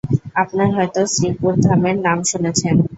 আপনার হয়তো শ্রীপুরধামের নাম শুনেছেন?